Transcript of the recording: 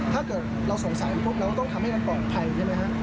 ถ้าเกิดเราสงสัยปุ๊บเราก็ต้องทำให้มันปลอดภัยใช่ไหมฮะ